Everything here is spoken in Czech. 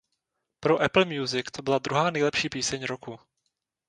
Pro Apple Music to byla druhá nejlepší píseň roku.